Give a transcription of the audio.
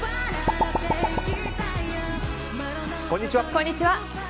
こんにちは。